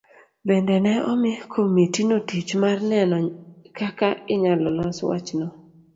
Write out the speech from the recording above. Bende ne omi komitino tich mar neno kaka inyalo los wachno.